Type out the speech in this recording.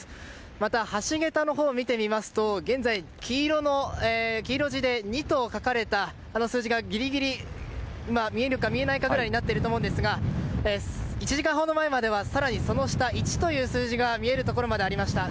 また橋げたのほうを見ますと現在、黄色で２と書かれた数字がギリギリ見えるか見えないかぐらいになっているかと思いますが１時間ほど前までは更にその下１という数字が見えるところまでありました。